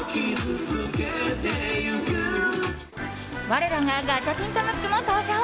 我らがガチャピンとムックも登場！